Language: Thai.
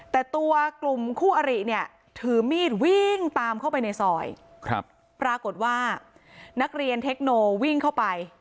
แต่ตัวกลุ่มคู่อริเนี่ยถือมีดวิ่งตามเข้าไปในซอยปรากฏว่านักเรียนเทคโนวิ่งเข้าไป